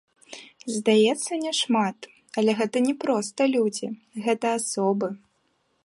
Здаецца, няшмат, але гэта не проста людзі, гэта асобы.